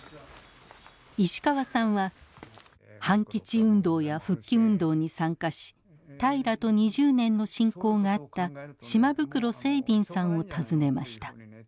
石川さんは反基地運動や復帰運動に参加し平良と２０年の親交があった島袋正敏さんを訪ねました。